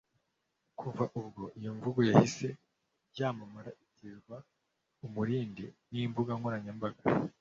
Kuva ubwo iyo mvugo yahise yamamara itizwa umurindi n’imbuga nkoranyambaga